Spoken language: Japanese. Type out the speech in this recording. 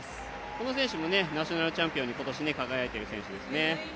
この選手もナショナルチャンピオンに今年輝いている選手ですね。